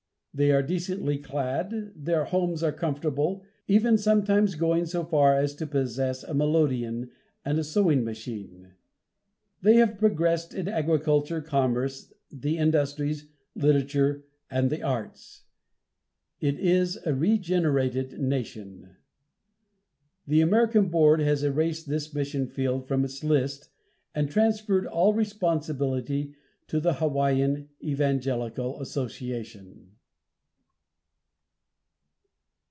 They are decently clad, their homes are comfortable, even sometimes going so far as to possess a melodeon and a sewing machine! They have progressed in agriculture, commerce, the industries, literature and the arts. It is a regenerated nation. The American Board has erased this mission from its list and transferred all responsibility to the Hawaiian Evangelical Association.